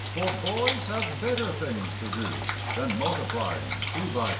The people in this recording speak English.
For boys have better things to do Than multiplying two by two!